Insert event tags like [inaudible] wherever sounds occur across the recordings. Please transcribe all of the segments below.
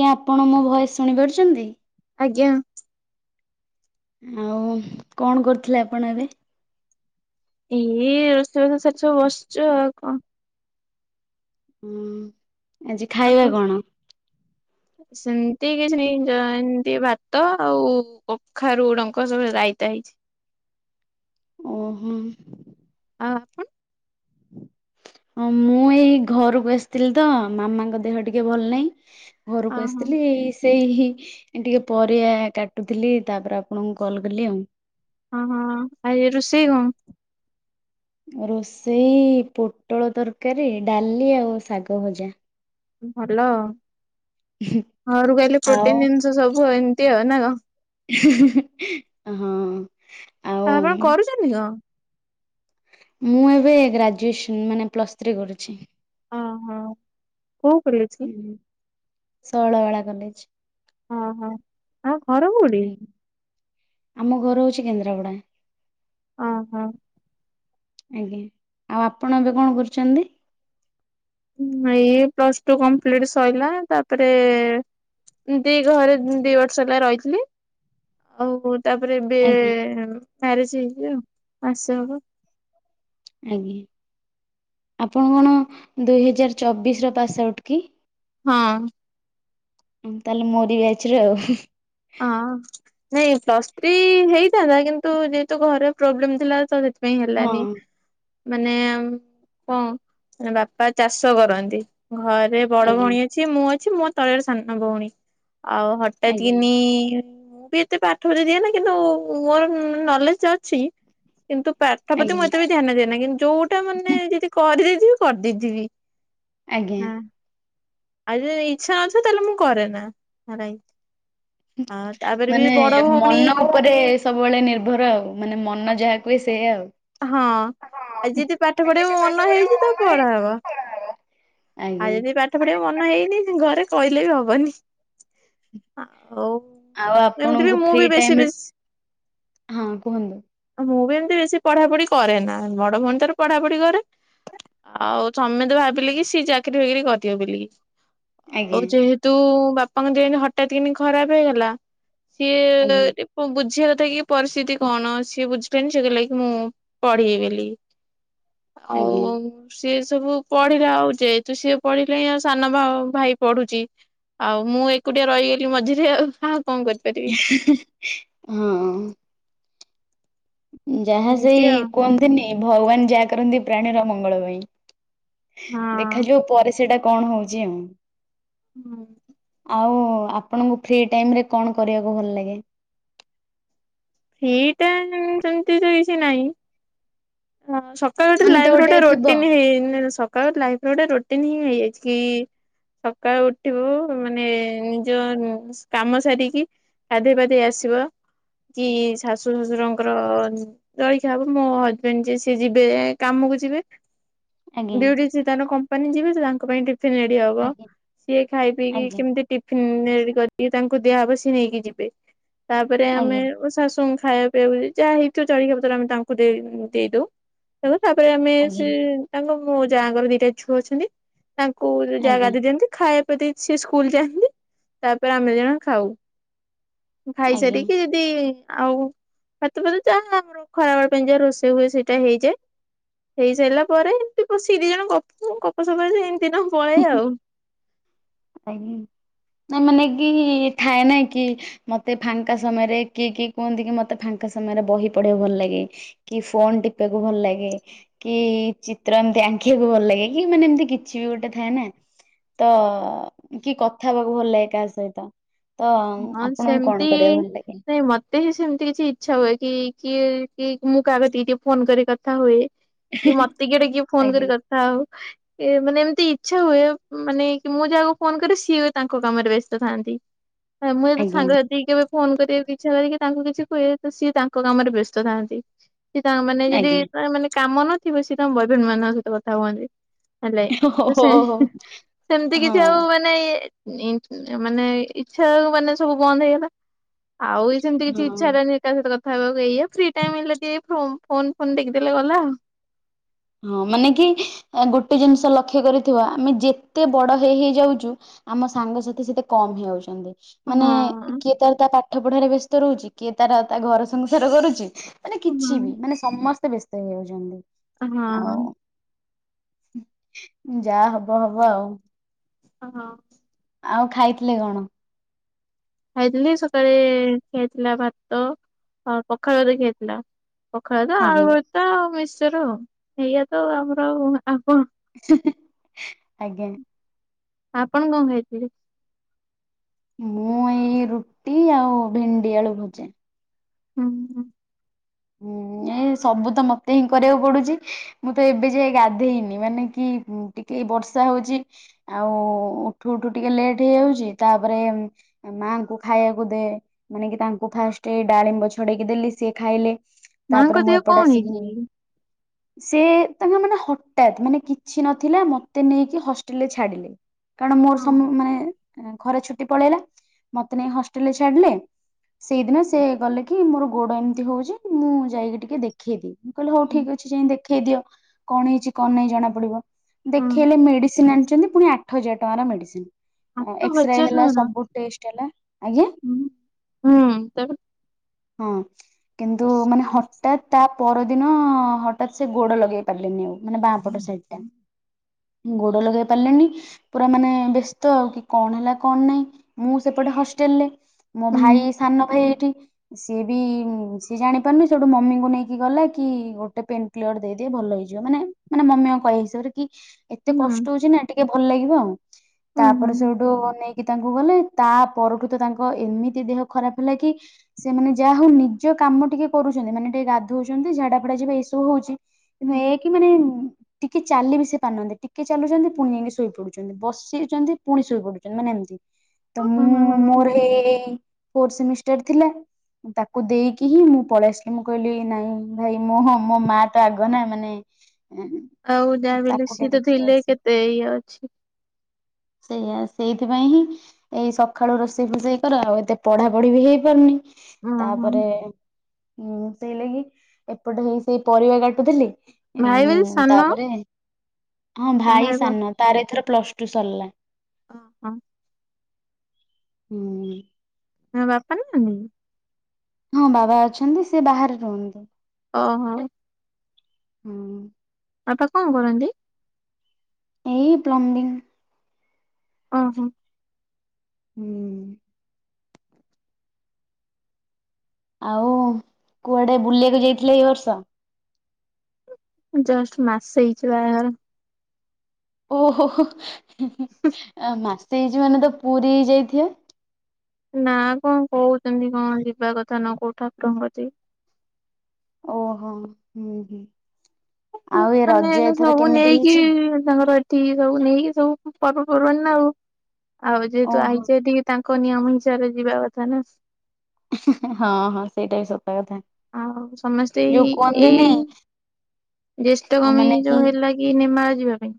କି ଆପଣ ମୋ ଭଏସ ଶୁଣି ପାରୁଛନ୍ତି? ଆଜ୍ଞା। ଆଉ କଣ କରୁଥିଲେ ଆପଣ ଏବେ? ଏଇ ରଷେଇବାସ ସରିଚି ସବୁ ବସିଛୁ ଆଉ କଣ? ହୁଁ ଆଜି ଖାଇବା ଆପଣ କଣ? ସେମିତି କିଛି ନାଇ ଜ ଏମିତି ଭାତ ଆଉ କଖାରୁୁଡଙ୍କ ସବୁ ରାଇତା ହେଇ [inaudible] ଓହା। [unintelligible] ଅଁ ମୁଁ ଏଇ ଘରକୁ ଆସିଥିଲି ତ ମାମାଙ୍କ ଦେହ ଟିକେ ଭଲ ନାହିଁ। ଅ ଘରକୁ ହଁ ଆସିଥିଲି ଏଇସ୍ ସେହିହି ଟିକେ ପରିଆ କାଟୁଥିଲି ତାପରେ ଆପଣଙ୍କୁ କଲ କଲି ଆଉ, ହଁ ହଁ ଆଜି ରୋଷେଇ କଁ? ରୋଷେଇ ପୋଟଳ ତରକାରୀ, ଡାଲି ଆଉ ଶାଗ ଭଜା। ଭଲ ଘରୁ ଗାଇଲେ ଆଉ ପ୍ରୋଟିନ ଜିନିଷ ସବୁ ଏମ୍ [unintelligible] ହି ହି ହି ହଁ ହଁ, ଆପଣ କ କରୁଛନ୍ତି କଁ? ମୁଁ ଏବେ ଗ୍ରାଜୁଏସନ ମାନେ ପ୍ଲସ ଥ୍ରୀ କରୁଛି। ହଁ ହଁ କୋଉ କଲେଜ୍ ରୁ? ଶୈଳବାଳା କଲେଜ୍। ହଁ ହଁ, ଆଉ ଘର କୋଉଠି? ଆଜ୍ଞା ଆମ ଘର ହଉଛି କେନ୍ଦ୍ରାପଡା। ହଁ ହଁ। ଆଜ୍ଞା ଆଉ ଆପଣ ଏବେ କଣ କରୁଛନ୍ତି? ଏଇ ପ୍ଲସ ଟୁ କମ୍ପ୍ଲିଟ ସରିଲା ତାପରେ ଦି ଘରେ ଦି ବର୍ଷହେଲା ରହିଥିଲି ଆଉ କଉ ତାପରେ ଏବେ ଆଜ୍ଞା ମ୍ୟାରେଜ ହେଇଚି, ମାସେ ହବ। ଆଜ୍ଞା। ଆପଣ କଣ ଦୁଇ ହଜାର ଚବିଶ୍ ର ପାସ୍ ଆଉଟ୍ କି? ହଁ। ତାହେଲେ ମୋରି ବ୍ୟାଚର ଆଉ। ଅଁ ନାଇଁ ପ୍ଲସ୍ ଥ୍ରୀ ହେଇଥାନ୍ତା କିନ୍ତୁ ଯେହେତୁ ଘରେ ପ୍ରୋବ୍ଲେମ୍ ଥିଲା ତ ସେତ୍ ପାଇଁ ହଁ ହେଲାନି। ମାନେ କଁ ବାପା ଚାଷ କରନ୍ତି। ଘରେ ଆଜ୍ଞା ବଡ଼ଭଉଣୀ ଅଛି ମୁଁ ଅଛି ମୋ ତଳରେ ସାନଭଉଣୀ ଆଉ ହଠାତ୍ ଆଜ୍ଞା କି [unintelligible] ମୁଁ ବି ଏତେ ପାଠରେ ଦିଏ ନା କିନ୍ତୁ ମୋର ନଲେଜ ଅଛି କିନ୍ତୁ ପାଠ ପ୍ରତି ମୁଁ ଆଜ୍ଞା ଏତେ ବି ଧ୍ୟାନ ଦିଏ ନା କିନ୍ତୁ ଯୋଉଟା ମାନେ ଯଦି କରିଦେଇଥିବି କରିଦେଇଥିବି। ଆଜ୍ଞା। ଆଉ ଯଦି ଇଛା ନଥିବ ତାହଲେ ମୁଁ କରନା ଆରାଇ, ମାନେ ମନ ଉପରେ ସବୁବେଳେ ନିର୍ଭର ଆଉ ମାନେ ମନ ଯାହା କୁହେ ସେଇୟା ଆଉ। ହଁ ଆ ଯଦି ପାଠ ପଢିବା ମନ ହେଇଛି ତ ପଢ଼ା ହବା। ଆଉ ଆଜ୍ଞା। ଯଦି ପାଠ ପଢ଼ିବାକୁ ମନ ହେଇନି ଘରେ କହିଲେ ବି ହବନି ଆ ଆଉ ଆପଣଙ୍କୁ ଫ୍ରି ବେଶୀ ବେଶୀ ଟାଇମରେ ହଁ କୁହନ୍ତୁ । ସିଏ ବେଶି ପଢ଼ାପଢ଼ି କରେ ନା ବଡ଼ ଭଉଣି ତାର ପଢ଼ାପଢ଼ି କରେ ଆଉ । ସମେତେ ଭାବିଲେ କି ସିଏ ଚାକିରି ବାକିରି କରିିବ ବେଲିକି ଆଉ ଆଜ୍ଞା ଯେହେତୁ । ବାପାଙ୍କ ଦେହ ଇଁତି ହଠାତ୍ କିନି ଖରାପ ହେଇଗଲା ସିଏ ଆଜ୍ଞା ଟିକେ ବୁଝିବା । କଥା କି ପରିସ୍ତିତି କଣ ସିଏ ବୁଝିବେନି ସେ କଇଲାକିି ମୁଁ ପଢିବି ବେଲିକି । ଆଜ୍ଞା। ଆଉ । ସିଏ ସବୁ ପଢି଼ଲା ଆଉ ଯେହେତୁ ସିଏ ପଢ଼ିଲେଇଁ ଆଉ ସାନ ଭାଉ ଭାଇ ପଡ଼ୁଛି। ଆଉ ମୁଁ ଏକୁଟିଆ ରହିଗଲି ମଝିରେ ଆଉ ହା ଉ । ହଁ । ଯାହା ଏମିତି ସେଇ ଆଉ କୁହନ୍ତିନି ଭଗବାନ ଯାହା କରନ୍ତି ପ୍ରାଣୀର ମଙ୍ଗଳ ପାଇଁ। ହଁ। ଦେଖାଯିବ ପରେ ସେଇଟା କଣ ହଉଛି ଆଉ। ହୁଁ। ଆଉ ଆପଣଙ୍କୁ ଫ୍ରି ଟାଇମ ରେ କଣ କରିବାକୁ ଭଲ ଲାଗେ? ସେଇଟା ସେମିତି ତ କିଛି ନାଇ ଆ ସ ସକାଳୁ ଠୁ ମାନେ ତ ଲାଇଫ ର ଗୋଟେ ଗୋଟା ଥିବ ରୋଟିନ ହେଇଯାଇଚି ନା ନ ସକାଳ ଲାଇଫ ର ଗୋଟା ରୋଟିନ୍ ହିଁ ହେଇଯାଇଛି କି। ସକାଳୁ ଉଠିବୁ ମାନେ ନିଜ କାମ ସାରିକି। ଗାଧେଇ ପାଧେଇ ଆସିବ। କି ଶାଶୁ ଶଶୁରଙ୍କର ଜଳଖିଆ ହବ ମୋ ହଜବେଣ୍ଡ ଯେ ସିଏ ଯିବେ କାମକୁ ଯି ବେ ଆଜ୍ଞା ଡ୍ୟୁଟି ସେ ତାଙ୍କର କମ୍ପାନୀ ଯିବେ ତାଙ୍କ ପାଇଁ ଟି ଫିନ ରେଡି ହବ ଆଜ୍ଞା ସେ ଖାଇ ପିଇକି ଆଜ୍ଞା କେମତି ଟିଫନ । ତିଆରି କରିକି ତାଙ୍କୁ ଦିଆହବ ସିଏ ନେଇକି ଯିବେ ତାପରେ ଆମେ। ଆଜ୍ଞା ଶାଶୁ ଙ୍କୁ ଖାଇଆ ପିଇଆ କୁ ଯାହା ହେଇଥିବ ଚାରି ବକ୍ତ ରେ ଆମେ ତାଙ୍କୁ ଦେଇ ଦେଇଦଉ ଆଉ । ତାପରେ ଆମେ ସେ ଆଜ୍ଞା ତାଙ୍କ ମୋ ଯା ଙ୍କର ଦିଟା ଝୁଅ ଅଛନ୍ତି। ତାଙ୍କୁ ଜା ଆଜ୍ଞା ଗାଧେଇ ଦିଅନ୍ତି ଖାଏ ତ ତି ସିଏ ସ୍କୁଲ ଯାନ୍ତି ତାପରେ ଆମେ ଦି ଜଣ ଖାଉ। ମୁ ଖାଇ ଆଜ୍ଞା ସାରିକି ଯଦି। ଆଉ ଭାତ ଫାତ ଯାହା ଆମର ଖରାବେଳ ପାଇଁ ଜାହା ରୋଷେଇ ହୁଏ ସେଇଟା ହେଇଯାଏ। ହେଇ ସାରିଲା ପରେ ଏମିତି ବସିକି ଦି ଜଣ ଗପୁ ଗପସପ ଏନ୍ତି। ଦିନ ପଳାଏ ଆଉ। ଆଜ୍ଞା । ନା ମାନେ କି ଥାଏ ନା କି ମତେ ଫାଙ୍କା ସମୟରେ କିଏ କିଏ କୁହନ୍ତି କି ମତେ ଫାଙ୍କା। ଙ୍କା ସମୟରେ ବହି ପଢିବାକୁ ଭଲ ଲାଗେ କି ଫୋନ ଟିପିବାକୁ ଭଲ ଲାଗେ କି ଚିତ୍ର ଏମିତି । ଆଙ୍କିବାକୁ ଭଲ ଲାଗେ କି ମାନେ ଏମିତି କିଛି ବି ଗୋଟେ ଥାଏ ନା ତ। କି କଥା ହବାକୁ ଭଲ ଲାଗେ କାହା ସହିତ। ତ ହଁ ଆପଣଙ୍କୁ ସେମିତି କଣ କରିବାକୁ ଭଲ ଲାଗେ? ନାଇ ମତେ ସେମତି କିଛି ଇଚ୍ଛା ହୁଏ କି। କିଏ କି ମୁଁ କାହା କତିକି ଟିକେ ଫୋନ କରି କଥା ହୁଏ। କି ମତେ କିଏ ଗୋଟେ କିଏ ଫୋନ କରି ଆଜ୍ଞା କଥା ହଉ। ମାନେ ଏମିତି ଇଚ୍ଛା ହୁଏ ମାନେ କି ମୁଁ ଯାହାକୁ ଫୋନ କରେ ସିଏ ତାଙ୍କ କାମରେ ବ୍ୟସ୍ତ ଥାନ୍ତି। ମୁଁ ଏବେ ଆଜ୍ଞା ସାଙ୍ଗସାଥୀ କେବେ। ଫୋନ କରିବାକୁ ଇଚ୍ଛା ହୁଏ କି ତାଙ୍କୁ କିଛି କୁହେ ତ ସିଏ ତାଙ୍କ କାମରେ ବ୍ୟସ୍ତ ଥାନ୍ତି। ସେ ତାଙ୍କ ମାନେ ଯଦି ଆଜ୍ଞା ତାଙ୍କ ମାନେ କାମ ନଥିବ ସେ ତାଙ୍କ ବଏଫ୍ରେଣ୍ଡ ମାନଙ୍କ ସହିତ କଥା ହୁଅନ୍ତି। ହେଲେ ତ ହଉ ସେ ହେଁ ହଉ ହେଁ ସେମିତି କିଛି ଆଉ ହଁ ମାନେ ନି ମାନେ ଇ ଇଚ୍ଛା କୁ ମାନେ ସବୁ ବନ୍ଦ ହେଇଗଲା ଆଉ ବି ସେମିତି କିଛି ଇଚ୍ଛା ହଁ। ହେଲାନି କା ସହିତ କ କଥା ହେବାକୁ ଏଇଆ ଫ୍ରି ଟାଇମ ମିଳିଲେ ଟିକେ ଫୋ ଫୋନ ଫୋନ୍ ଦେଖିଦେଲେ ଗଲା ଆଉ। ହଁ ମାନେ କି ଗୋଟେ ଜିନିଷ ଲକ୍ଷ୍ୟ କରିଥିବ ଆମେ ଯେତେ ବଡ ହେଇ ହେଇ ଯାଉଚୁ। ଆମ ସାଙ୍ଗସାଥି ସେତେ କମ ହେଇଯାଉଛନ୍ତି। ହଁ ମାନେ କିଏ ତାର ତା ପାଠ ପଢାରେ ବ୍ୟସ୍ତ ରହୁଛି କିଏ ତାର ତା ଘର ସଂସାର କରୁଚି। ମାନେ ହଁ। କିଛି ବି ମାନେ ସମସ୍ତେ ବ୍ୟସ୍ତ ହେଇଯାଉଛନ୍ତି। ହଁ। ଆଉ ଯାହା ହବ ହବ ଆଉ। ହଁ। ଆଉ ଖାଇଥିଲେ କଣ? ଖାଇଥିଲି ସକାଳେ ଖିଆହେଇଥିଲା ଭାତ ପଖାଳରେ ଖିଆହେଇଥିଲା। ପଖାଳ ତ ଆଜ୍ଞା ଆଳୁ ଭର୍ତା ଆଉ ମିସଚର ଏଇଆ ତ ଆମର ଆଉ ଆଉ କଣ? ଆଜ୍ଞା। ଆପଣ କଣ ଖାଇଥିଲେ? ମୁଁ ଏଇ ରୁଟି ଆଉ ଭେଣ୍ଡି ଆଳୁ ଭଜା। ହୁଁ ହୁଁ। ହୁଁ। ଏ ସବୁ ତ ମତେ ହିଁ କରିବାକୁ ପଡୁଚି ମୁଁ ତ ଏବେ ଯାଏ ଗାଧେଇନି ମାନେ କି ଟିକେ ବର୍ଷା ହଉଛି ଆଉ ଉଠୁ ଉଠୁ ଟିକେ ଲେଟ୍ ହେଇଯାଉଛି, ତାପରେ ମା ଖାଇବାକୁ ଦେ ମାନେ କି ତାଙ୍କୁ ଫାଷ୍ଟେ ଡାଳିମ୍ବ ଛଡେଇକି ଦେଲି ସିଏ ଖାଇଲେ ମାଙ୍କ ତାପରେ ମୁଁ ଦେହ ଏପଟେ କଣ ଆସିକିନି ହେଇଛି? ସେ [unintelligible] ମାନେ ହଠାତ୍ ମାନେ କିଛି ନଥିଲା ମତେ ନେଇକି ହଷ୍ଟେଲ ରେ ଛାଡିଲେ। କାରଣ ମୋର ହଁ ସମ ମାନେ ଖରା ଛୁଟି ପଳେଇଲା ମତେ ନେଇ ହଷ୍ଟେଲରେ ଛାଡିଲେ। ସେଇଦିନ ସେ ଗଲେ କି ମୋର ଗୋଡ ଏମିତି ହଉଛି ମୁଁ ଯାଇକି ଟିକେ ଦେଖେଇଦିଏ। ମୁଁ କହିଲି ହଉ ଠିକ ଅଛି ଯାଇକି ଦେଖେଇ ଦିଅ କଣ ହେଇଛି କଣ ନାହିଁ ଜଣା ପଡିବ। ହଁ ଦେଖେଇଲେ ମେଡିସିନ୍ ଆଣିଚନ୍ତି ପୁଣି ଆଠ ହଜାର ଟଙ୍କାର ମେଡିସିନ୍। ହାଟ ଏକ୍ସ୍ରେ ହଜାର ହେଲା ଟଙ୍କା। ସବୁ ଟେଷ୍ଟ୍ ହେଲା। ଆଜ୍ଞା [inaudible] ହଁ। କିନ୍ତୁ ମାନେ ହଠାତ୍ ତା ପରଦିନ ହଠାତ୍ ସେ ଗୋଡ ଲଗେଇ ପାରିଲେନି ଆଉ ମାନେ ବାଁପଟ ସାଇଡ୍ ଟା। ଗୋଡ ଲଗେଇ ପାରିଲିନି ପୁରା ମାନେ ବ୍ୟସ୍ତ ଆଉ କି କଣ ହେଲା କଣ ନାହିଁ। ମୁଁ ସେପଟେ ହଷ୍ଟେଲ୍ ରେ ମୋ ଭାଇ ସାନ ଭାଇ ଏଇଠି ସିଏ ବି ଜାଣିପାରୁନି ସେଇଠୁ ମମିଙ୍କୁ ନେଇକି ଗଲା କି ଗୋଟେ ପେନ୍ କ୍ଲିୟର ଦେଇଦେ ଭଲ ହେଇଯିବ। ମାନେ ମାନେ ମମିଙ୍କ କହିବା ହିସାବରେ କି ଏତେ କଷ୍ଟ ହଉଛି ନା ଟିକେ ଭଲ ଲାଗିବ ଆଉ ତାପରେ ସେଇଠୁ ନେଇ କି ତାଙ୍କୁ ଗଲେ ତା ପରଠୁ ତ ତାଙ୍କ ଏମିତି ଦେହ ଖରାପ ହେଲା କି ସେମାନେ ଯାହା ହଉ ନିଜ କାମ ଟିକେ କରୁଛନ୍ତି ମାନେ ଟିକେ ଗାଧୋଉଛନ୍ତି ଝାଡା ଫାଡା ଯିବେ ଏଇ ସବୁ ହଉଛି। କିନ୍ତୁ ଏଇଆ କି ମାନେ ଟିକେ ଚାଲି ବି ସେ ପାରୁନାହାନ୍ତି ଟିକେ ଚାଲୁଛନ୍ତି ପୁଣି ଯାଇକି ଶୋଇପଡୁଛନ୍ତି, ବସିଛନ୍ତି ପୁଣି ଶୋଇପଡୁଛନ୍ତି, ମାନେ ଏମିତି ତ ମୁଁ ମୋର ଏ ଫୋର୍ ସେମିଷ୍ଟାର ଥିଲା ତାକୁ ଦେଇକି [unintelligible] ମୁଁ ପଳେଇଆସିଲି ମୁଁ କହିଲି ନାଇଁ ଭାଇ ମୋ ମୋ ମା ତ ଆଗ ନା ମାନେ ଆଉ ଯାହାବି ହେଲେ ତାକୁ ଟିକେ ସିଏ ତ ଦେଖିବା ଥିଲେ ଆସେ କେତେ ଇଏ ଅଛି। ସେଇଆ ସେଇଥିପାଇଁ ହିଁ ଏଇ ସଖାଳୁ ରୋଷେଇ ଫୋଷେଇ କର ଆଉ ଏତେ ପଢା ପଢି ବି ହେଇପାରୁନି। ଓହୋ ତାପରେ ଉଁ ସେଇ ଲାଗି ଏପଟେ ହେଇ ସେଇ ପରିବା କାଟୁଥିଲି। ଭାଇ ବୋଲି ଉଁ ସାନ ତାପରେ ହଁ ଭାଇ ସାନ ତାର ଏଥର ପ୍ଲସ ଟୁ ସରିଲା। [inaudible] ହୁଁ। ହଁ ବାପା [unintelligible] ହଁ ବାବା ଅଛନ୍ତି ସେ ବାହାରେ ରୁହନ୍ତି। ଓ ହୋ। ହୁଁ। ବାପା କଣ କରନ୍ତି? ଏଇ ପ୍ଲମ୍ବିଂ। ଅ ହଁ। ହୁଁ। ଆଉ କୁଆଡେ ବୁଲିବାକୁ ଯାଇଥିଲେ ଏଇ ବର୍ଷ? ଜଷ୍ଟ୍ ମାସେ ହେଇଛି ବାହାଘର ଓହୋ ହୋ ହୋ [unintelligible] ମାସେ ହେଇଛି ମାନେ ତ ପୁରୀ ଯାଇଥିବେ। ନା କଣ କହୁଚନ୍ତି କଣ ଯିବା କଥା ନ କୋଉ ଠାକୁରଙ୍କ କତିକି ଓ ହୋ ହୁଁ ହୁଁ। [unintelligible] ଆଉ ଏ ମାନେ ରଜ ଏଥର ସବୁ କେମିତି ନେଇକି ହେଇଛି? ତାଙ୍କର ଏଠି ସବୁ ନେଇକି ସବୁ ପର୍ବପର୍ବାଣି ନା ଆଉ, ଆଉ ଯେହେତୁ ଓହୋ ଆଇଚେ ଏଠିକି ତାଙ୍କ ଙ୍କ ନିୟମ ହିସାବରେ ଯିବା କଥା ନା। ହଁ ହଁ ସେଇଟା ହିଁ ସବ ଆଉ ସମସ୍ତେ ଏଇ ଏଇ କୁହନ୍ତିନି ଜେଷ୍ଠ କମି ମାନେ ଯଉ କି ହେଲା କି ନେମାଳ ଯିବା ପାଇଁ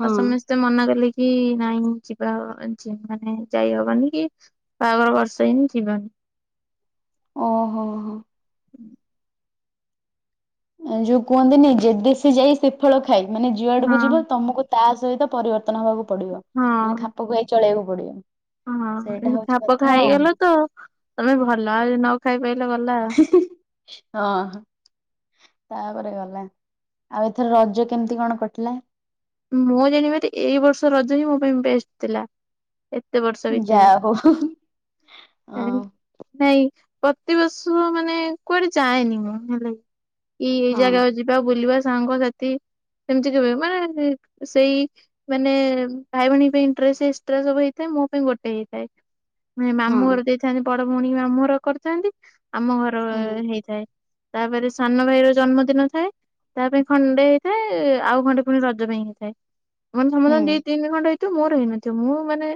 ହଁ ସମସ୍ତେ ମନା କଲେ କି କି ନାଇଁ ଯିବା [unintelligible] ମାନେ ଯାଇହବନି କି ବାହାଘର ବର୍ଷେ ହେଇନି ଯିବନି। [inaudible] ଓ ହୋ ହୋ। ଯୋଉ କୁହନ୍ତିନି ଯେ ଦେଶେ ଯାଇ ସେଫଳ ଖାଇ ମାନେ ଯୁଆଡକୁ ଯିବ ହଁ। ତମକୁ ତା ସହିତ ପରିବର୍ତ୍ତନ ହବାକୁ ପଡିବ ମାନେ ଖାପ ଖୁଆଇ ଚଳେଇବାକୁ ପଡିବ । ହଁ ହଁ ଏମତି ଖାପ ଖାଇଗଲ ତ ତମେ ଭଲ ଆଉ ନ ଖାଇ ପାଇଲ ଗଲ। ହଁ। ତାପରେ ଗଲା ଆଉ ଏଥର ରଜ କେମିତି କଣ କଟିଲା? ମୁଁ ଜାଣିବାରେ ଏଇ ବର୍ଷ ରଜ ହିଁ ମୋ ପାଇଁ ବେଷ୍ଟ ଥିଲା। ଏତେ ବର୍ଷ ଯା ଭିତରେ ହଉ ହଁ ନାଇଁ। ପ୍ରତିବର୍ଷ ମାନେ କୁଆଡେ ଯାଏନି ମୁଁ ହେଲେ କି ଏଇ ହଁ ଜାଗା କୁ ଯିବା ବୁଲିବା। ସାଙ୍ଗସାଥି ସେମିତି କେବେ ମାନେ ସେଇ ମାନେ ଭାଇ ଭଉଣୀ ପାଇଁ ଇନିଟ୍ରେଷ୍ଟ ଏକ୍ସଟ୍ରା ସବୁ ହେଇଥାଏ ମୋ ପାଇଁ ଗୋଟେ ହେଇଥାଏ। ମାମୁଁ ଘର ହଁ ଦେଇଥାନ୍ତି ବଡ ଭଉଣୀ ମାମୁଁ ଘର କରିଥାନ୍ତି ଆମ ଘର ହୁଁ ହେଇଥାଏ। ତାପରେ ସାନ ଭାଇର ଜନ୍ମଦିନ ଥାଏ ତା ପାଇଁ ଖଣ୍ଡେ ହେଇଥାଏ ଆଉ ଖଣ୍ଡେ ପୁଣି ରଜ ପାଇଁ ହେଇ ତା ମାନେ ହୁଁ ସମସ୍ତଙ୍କ ଦି ତିନି ଖଣ୍ଡ ହେଇଥିବ ମୋର ହେଇନଥିବ ମୁଁ ମାନେ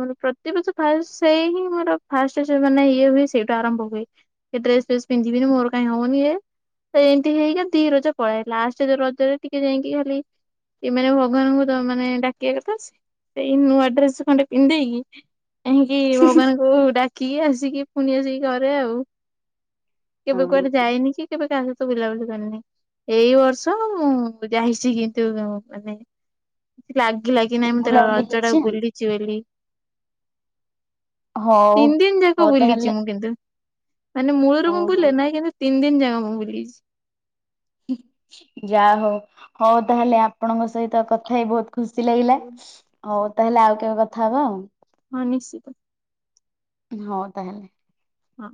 ମୋର ପ୍ରତିବର୍ଷ ଫାଷ୍ଟ ସେଇ ହିଁ ମୋର ଫାଷ୍ଟ ମାନେ ଇଏ ହୁଏ ସେଇଟୁ ଆରମ୍ଭ ହୁଏ ସେ ଥି ରେ ଡ୍ରେସ୍ ଫ୍ରେସ ପିନ୍ଧିବିନି ମୋର କାଇଁ ହଉନି ଏଇ। ଏମିତି ହେଇକି ଦି ରଜ ପଳାଏ ଲାଷ୍ଟ ରଜରେ ଟିକେ ଯାଇକି ଖାଲି ଏ ମାନେ ଭଗବାନଙ୍କୁ ତ ମାନେ ଡାକିବା କଥା ସେଇ ନୂଆ ଡ୍ରେସ ଖଣ୍ଡେ ପିନ୍ଧେଇକି ଏଇକି ଭଗବାନଙ୍କୁ ଡାକିକି ଆସିକି ପୁଣି ଆସିକି ଘରେ ଆଉ । କେବେ କୁଆଡେ ହଁ ଯାଇନି କି କେବେ କା ସହିତ ବୁଲାବୁଲି କରେନି ଏଇ ବର୍ଷ ମୁଁ ଯାଇଚି କିନ୍ତୁ ମାନେ କି ଲାଗିଲା କି ନାହିଁ ଟିକେ ମୁଁ ତର ବୁଲାବୁଲି ରଜ ଟା ହେଇଛି ଆଉ। ବୁଲିଚି ବୋଲି। ହଉ ତିନି ଦିନ ଯାକ ହଉ ବୁଲିଚି ତାହେଲେ ମୁଁ କିନ୍ତୁ। ମାନେ ମୂଳରୁ ମୁଁ ଓହୋ ବୁଲେ ନାହିଁ କିନ୍ତୁ ତିନି ଦିନ ଯାକ ମୁଁ ବୁଲିଚି। ଯାହା ହଉ ହଉ ତାହେଲେ ଆପଣଙ୍କ ସହିତ ତ କଥା ହେଇ ବହୁତ ଖୁସି ଲାଗିଲା ଆଉ ତାହେଲେ ଆଉ କେବେ କଥା ହବ ଆଉ। ସିଏ ପୁଣି ହଉ ତା ହେଲେ ହଁ।